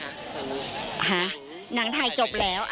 หนังถ่ายจบแล้ว